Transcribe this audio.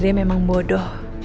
riri memang bodoh